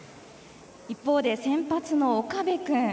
一方で先発の岡部君。